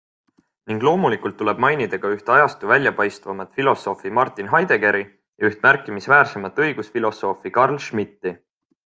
Ning loomulikult tuleb mainida ka üht ajastu väljapaistvamat filosoofi Martin Heideggeri ja üht märkimisväärsemat õigusfilosoofi Carl Schmitti.